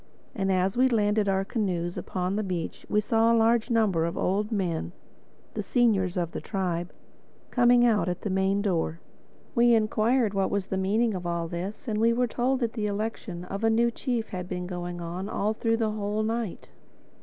And as we landed our canoes upon the beach we saw a large number of old men, the seniors of the tribe, coming out at the main door. We inquired what was the meaning of all this; and were told that the election of a new chief had been going on all through the whole night.